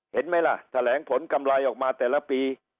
เห็นไหมล่ะแถลงผลกำไรออกมาแต่ละปี